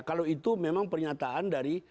kalau itu memang pernyataan dari